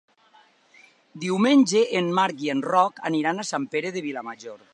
Diumenge en Marc i en Roc aniran a Sant Pere de Vilamajor.